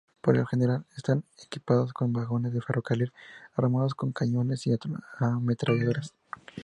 Por lo general, están equipados con vagones de ferrocarril armados con cañones y ametralladoras.